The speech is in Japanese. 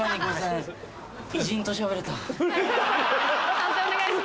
判定お願いします。